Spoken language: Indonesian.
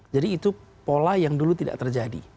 jadi itu pola yang dulu tidak terjadi